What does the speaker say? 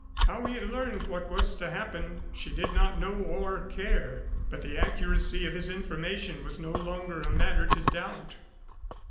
How he had learned what was to happen, she did not know or care, but the accuracy of his information was no longer a matter to doubt.